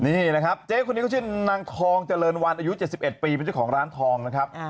นี่นะครับเจ๊คนนี้เขาชื่อนางทองเจริญวันอายุ๗๑ปีเป็นเจ้าของร้านทองนะครับ